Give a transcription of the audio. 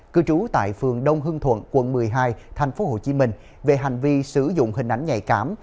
cư trú tại phường đông hưng thuận quận một mươi hai tp hcm về hành vi sử dụng hình ảnh nhạy cảm